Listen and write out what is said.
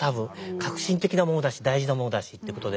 革新的なものだし大事なものだしということで。